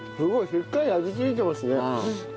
しっかり味ついてますね。